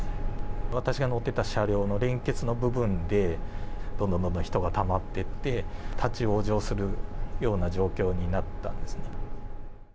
私が乗ってた車両の連結の部分で、どんどんどんどん人がたまってって、立往生するような状況になったんですね。